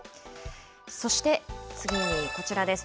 そして、次にこちらです。